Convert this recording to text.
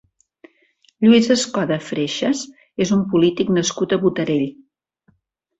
Lluís Escoda Freixas és un polític nascut a Botarell.